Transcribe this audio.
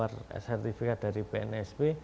ternyata kita keluar sertifikat dari pnsb